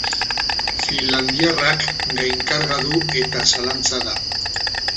Finlandiarrak gainkarga du eta zalantza da.